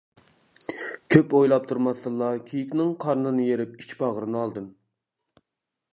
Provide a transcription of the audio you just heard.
كۆپ ئويلاپ تۇرماستىنلا كېيىكنىڭ قارنىنى يېرىپ ئىچ باغرىنى ئالدىم.